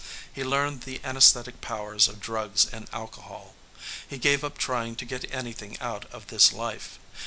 He learned the anaesthetic powers of drugs and alcohol. He gave up trying to get anything out of this life.